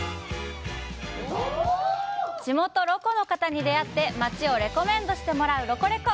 地元ロコの方に出会って、町をレコメンドしてもらう「ロコレコ」